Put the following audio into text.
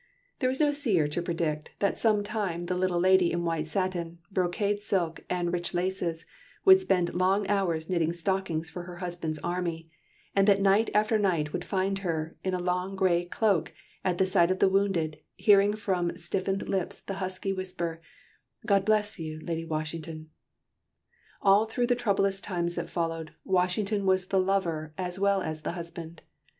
There was no seer to predict that some time the little lady in white satin, brocade silk, and rich laces, would spend long hours knitting stockings for her husband's army, and that night after night would find her, in a long grey cloak, at the side of the wounded, hearing from stiffening lips the husky whisper, "God bless you, Lady Washington!" All through the troublous times that followed, Washington was the lover as well as the husband.